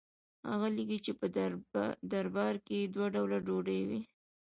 هغه لیکي چې په دربار کې دوه ډوله ډوډۍ وه.